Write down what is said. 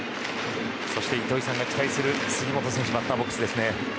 そして糸井さんが期待する杉本選手がバッターボックスです。